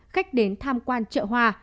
khách đến tham quan chợ hoa